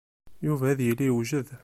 Yuba ad yili yewjed.